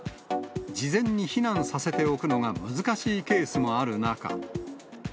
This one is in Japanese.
事前に避難させておくのが難しいケースもある中。